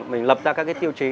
mình lập ra các tiêu chí